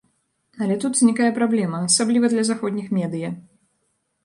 Але тут узнікне праблема, асабліва для заходніх медыя.